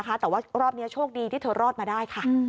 แต่ว่ารอบนี้โชคดีที่เธอรอดมาได้ค่ะ